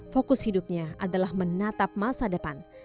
fokus hidupnya adalah menatap masa depan